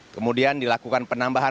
kemudian dilakukan penambahan